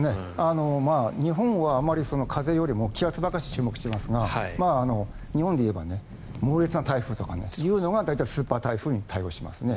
日本はあまり風よりも気圧ばかり注目していますが日本で言えば猛烈な台風というのが大体スーパー台風に対応しますね。